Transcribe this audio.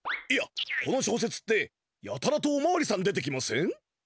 いやこの小説ってやたらとおまわりさん出てきません？